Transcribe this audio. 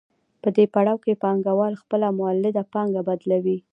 په دې پړاو کې پانګوال خپله مولده پانګه بدلوي